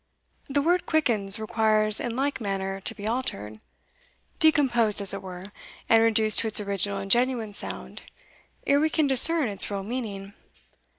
The word Quickens requires in like manner to be altered, decomposed, as it were, and reduced to its original and genuine sound, ere we can discern its real meaning.